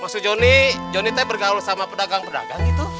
maksud jonny jonny teh bergaul sama pedagang pedagang gitu